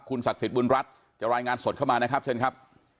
ศักดิ์สิทธิบุญรัฐจะรายงานสดเข้ามานะครับเชิญครับ